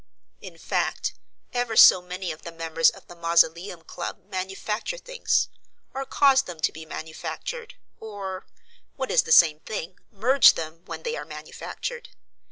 In fact, ever so many of the members of the Mausoleum Club manufacture things, or cause them to be manufactured, or what is the same thing merge them when they are manufactured.